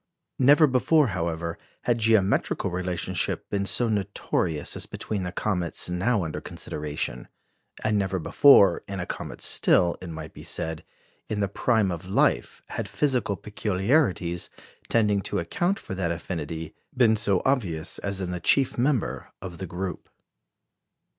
Never before, however, had geometrical relationship been so notorious as between the comets now under consideration; and never before, in a comet still, it might be said, in the prime of life, had physical peculiarities tending to account for that affinity been so obvious as in the chief member of the group.